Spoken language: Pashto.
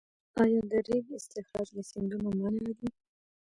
آیا د ریګ استخراج له سیندونو منع دی؟